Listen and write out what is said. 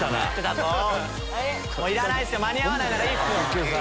いらないっすよ間に合わないならいいっすよ！